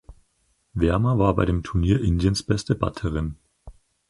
Verma war bei dem Turnier Indiens beste Batterin.